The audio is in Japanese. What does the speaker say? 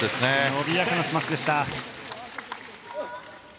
伸びやかなスマッシュでした。